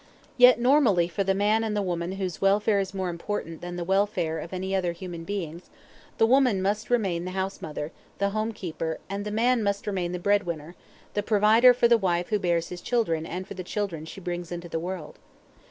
Yet normally for the man and the woman whose welfare is more important than the welfare of any other human beings, the woman must remain the housemother, the homekeeper, and the man must remain the breadwinner, the provider for the wife who bears his children and for the children she brings into the world.